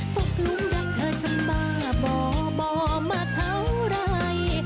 ตกลงรักเธอจะมาบ่อบ่อมาเท่าไหร่